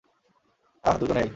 আহ, দুজনেই।